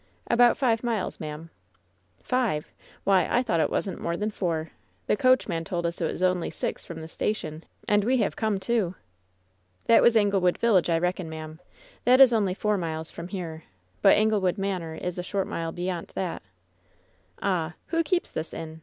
"About five miles, ma'am." " Tive V Why, I thought it wasn't more than foHr. The coachman told us it was only six from the station, and we have come two." LOVERS BITTEREST CUP 201 ^^That was Anglewood village, I reckon, ma'am. That is only four miles from here ; but Anglewood Manor is a short mile beyant that'' ^'Ahl Who keeps this inn?